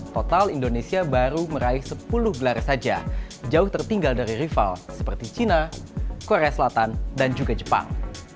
total indonesia baru meraih sepuluh gelar saja jauh tertinggal dari rival seperti china korea selatan dan juga jepang